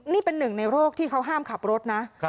นี่เป็นหนึ่งในโรคที่เขาห้ามขับรถนะ